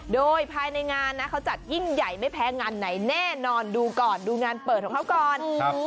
โดยภายในงานนะเขาจัดยิ่งใหญ่ไม่แพ้งานไหนแน่นอนดูก่อนดูงานเปิดของเขาก่อน